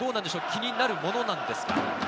気になるものなんですか？